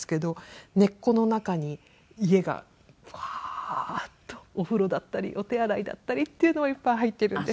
根っこの中に家がバーッとお風呂だったりお手洗いだったりっていうのはいっぱい入っているんです。